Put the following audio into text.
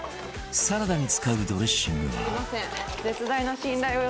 サラダに使うドレッシングは